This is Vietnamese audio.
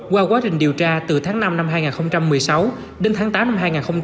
qua quá trình điều tra từ tháng năm năm hai nghìn một mươi sáu đến tháng tám năm hai nghìn một mươi tám